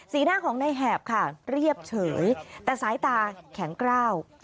หน้าของในแหบค่ะเรียบเฉยแต่สายตาแข็งกล้าว